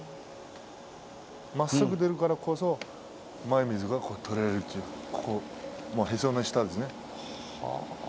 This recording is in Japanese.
まっすぐ出るからこそ前みつが取れる、へその下ですね。